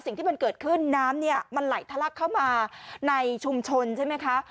สิ่งที่มันเกิดขึ้นน้ำเนี่ยมันไหลทะลักเข้ามาในชุมชนใช่ไหมคะ